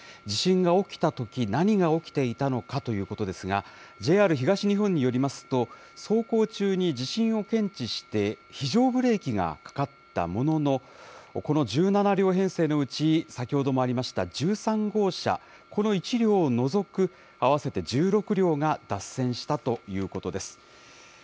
地震が起きたとき、何が起きていたのかということですが、ＪＲ東日本によりますと、走行中に地震を検知して、非常ブレーキがかかったものの、この１７両編成のうち、先ほどもありました１３号車、この１両を除く、合わせて１６両が脱線したということです。